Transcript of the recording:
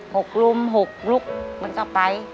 หกลุมหกลุกมันก็ไป